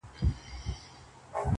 • د گريوان ډورۍ ته دادی ځان ورسپاري.